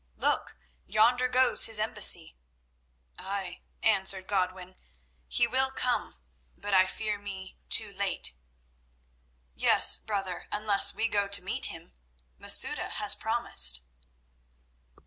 "Look; yonder goes his embassy." "Ay," answered Godwin, "he will come, but, I fear me, too late." "Yes, brother, unless we go to meet him. Masouda has promised."